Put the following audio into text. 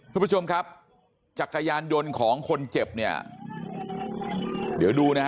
คุณผู้ชมครับจักรยานยนต์ของคนเจ็บเนี่ยเดี๋ยวดูนะฮะ